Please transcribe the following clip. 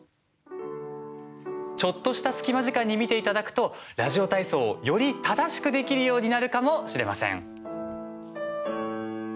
ちょっとした隙間時間に見ていただくと、ラジオ体操をより正しくできるようになるかもしれません。